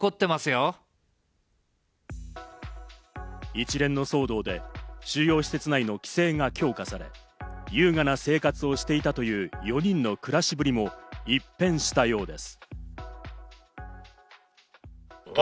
一連の騒動で収容施設内の規制が強化され、優雅な生活をしていたという４人の暮らしぶりも一変したようです。